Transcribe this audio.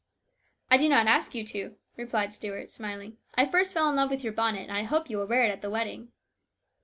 " I do not ask you to," replied Stuart, smiling. " I first fell in love with your bonnet, and I hope you will wear it at the wedding.'